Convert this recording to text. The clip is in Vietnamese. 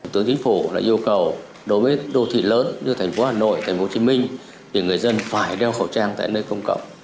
tướng chính phủ yêu cầu đối với đô thị lớn như thành phố hà nội thành phố hồ chí minh người dân phải đeo khẩu trang tại nơi công cộng